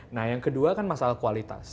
nah yang kedua kan masalah kualitas